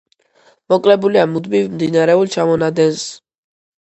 მოკლებულია მუდმივ მდინარეულ ჩამონადენს.